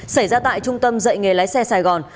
xảy ra tại trung tâm dạy nghề lái xe sài gòn